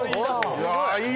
すごーい！